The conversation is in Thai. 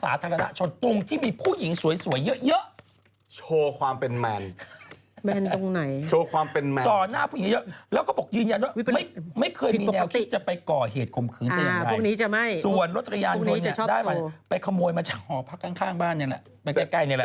เราคิดจะไปก่อเหตุความฝันธรรมใบไทยส่วนรถทุกยานมันได้มาป้าใกล้นี้แหละ